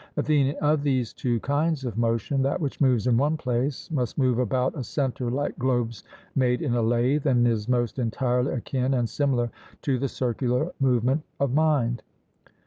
ATHENIAN: Of these two kinds of motion, that which moves in one place must move about a centre like globes made in a lathe, and is most entirely akin and similar to the circular movement of mind.